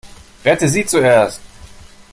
Rette sie zuerst!